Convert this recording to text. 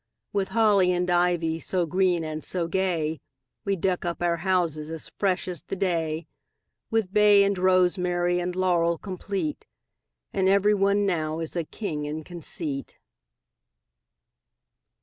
With holly and ivy So green and so gay, We deck up our houses As fresh as the day; With bay and rosemary And laurel complete; And every one now Is a king in conceit.